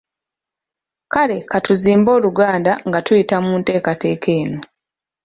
Kale ka tuzimbe Oluganda nga tuyita mu nteekateeka eno.